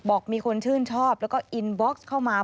บอกมีคนชื่นชอบแล้วก็อินบ็อกซ์เข้ามา